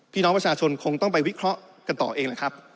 พี่น้องประชาชนคงต้องไปวิเคราะห์กันต่อเองแหละครับ